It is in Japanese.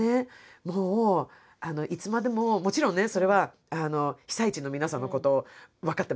もういつまでももちろんねそれは被災地の皆さんのこと分かってますよ